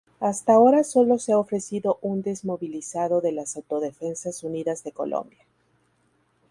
Hasta ahora sólo se ha ofrecido un desmovilizado de las Autodefensas Unidas de Colombia.